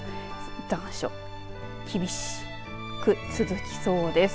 残暑厳しく続きそうです。